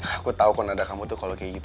aku tau kalo nada kamu tuh kayak gitu